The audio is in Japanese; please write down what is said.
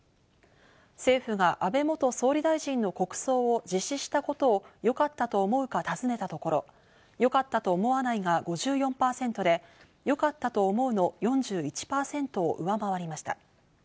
政府が安倍元総理大臣の国葬を実施したことをよかったと思うかたずねたところ、よかったと思わないが５４％で、よかったと思うの４１％を上回りました。